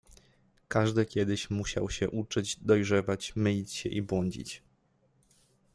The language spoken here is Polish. Każdy kiedyś mu siał się uczyć, dojrzewać, mylić się i błądzić.